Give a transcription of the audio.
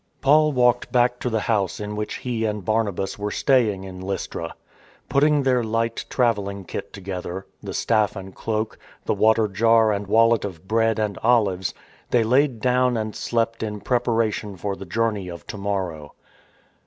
Paul walked back to the house in which he and Barnabas were staying in Lystra. Putting their light travelling kit together — the staff and cloak, the water jar and wallet of bread and olives — they laid down and slept in preparation for the journey of to morrow.